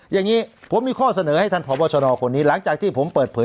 อย่างนี้ผมมีข้อเสนอให้ท่านพบชนคนนี้หลังจากที่ผมเปิดเผย